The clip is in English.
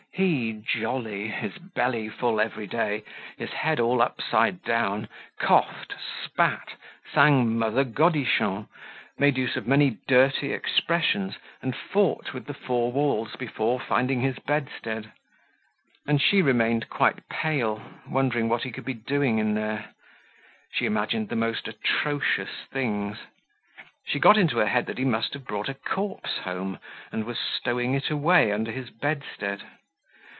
He, jolly, his belly full every day, his head all upside down, coughed, spat, sang "Mother Godichon," made use of many dirty expressions and fought with the four walls before finding his bedstead. And she remained quite pale, wondering what he could be doing in there. She imagined the most atrocious things. She got into her head that he must have brought a corpse home, and was stowing it away under his bedstead.